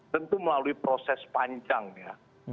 tentu melalui proses panjang ya